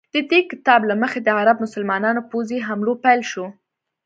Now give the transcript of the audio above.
د دې کتاب له مخې د عرب مسلمانانو پوځي حملو پیل شو.